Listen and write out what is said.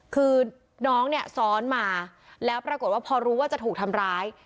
คือน้องเนี่ยซ้อนมาแล้วปรากฏว่าพอรู้ว่าจะถูกทำร้าย